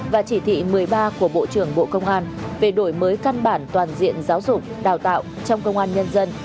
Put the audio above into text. và chỉ thị một mươi ba của bộ trưởng bộ công an về đổi mới căn bản toàn diện giáo dục đào tạo trong công an nhân dân